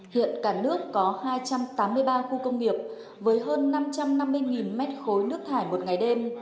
hiện cả nước có hai trăm tám mươi ba khu công nghiệp với hơn năm trăm năm mươi mét khối nước thải một ngày đêm